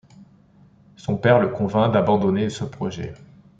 Son père le convainc d'abandonner ce projet.